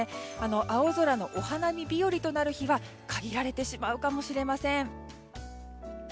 青空のお花見日和となる日は限られてしまうかもしれません。